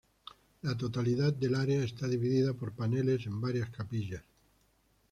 La totalidad del área está dividida por paneles en varias capillas.